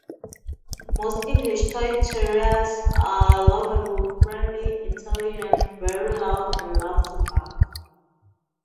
Most English toy terriers are lovable, friendly, intelligent, very loud and love to bark.